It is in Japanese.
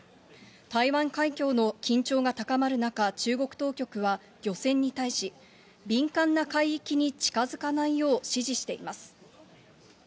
台湾海峡の緊張が高まる中、中国当局は漁船に対し、敏感な海域に近づかないよう指示しています。